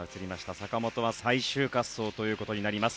坂本は最終滑走ということになります。